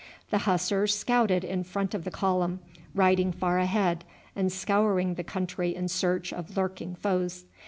The Hussars scouted in front of the column, riding far ahead and scouring the country in search of lurking foes.